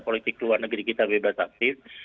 politik luar negeri kita bebas aktif